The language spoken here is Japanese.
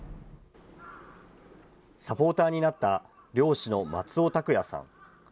サポーターになった漁師の松尾拓哉さん。